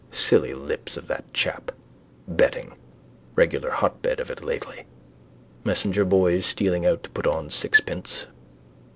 Silly lips of that chap. Betting. Regular hotbed of it lately. Messenger boys stealing to put on sixpence.